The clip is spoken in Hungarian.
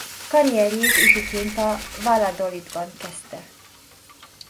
Karrierjét ifiként a Valladolidban kezdte.